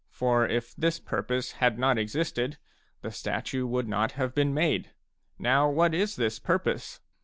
For if this purpose had not existed, the statue would not have been made. Now what is this purpose